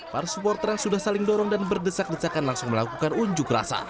para supporter yang sudah saling dorong dan berdesak desakan langsung melakukan unjuk rasa